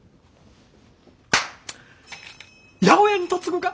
八百屋に嫁ぐか？